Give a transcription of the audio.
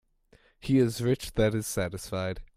He is rich that is satisfied.